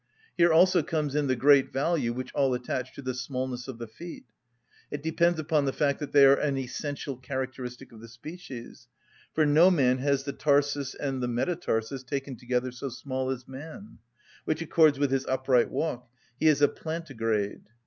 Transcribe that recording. Here also comes in the great value which all attach to the smallness of the feet: it depends upon the fact that they are an essential characteristic of the species, for no animal has the tarsus and the metatarsus taken together so small as man, which accords with his upright walk; he is a plantigrade.